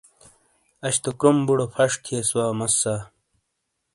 اش تو کروم بُڑو پھش تھیئس وا مسّا۔